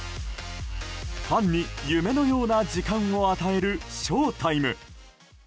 ファンに夢のような時間を与えるショウタイム。